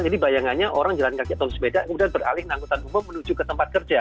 jadi bayangannya orang jalan kaki atau sepeda kemudian beralih nangkutan rumah menuju ke tempat kerja